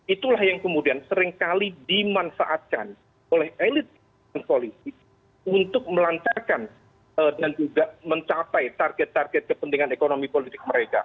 itulah yang kemudian seringkali dimanfaatkan oleh elit dan politik untuk melancarkan dan juga mencapai target target kepentingan ekonomi politik mereka